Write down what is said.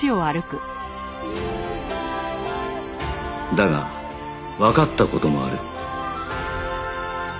だがわかった事もある